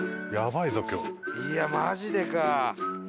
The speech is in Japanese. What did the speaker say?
いやマジでか！